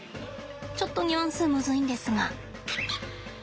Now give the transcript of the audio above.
ちょっとニュアンスむずいんですが。